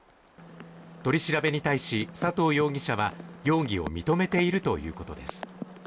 取り調べに対し佐藤容疑者は容疑を認めているということです